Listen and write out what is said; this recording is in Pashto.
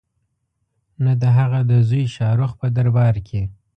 نه د هغه د زوی شاه رخ په دربار کې.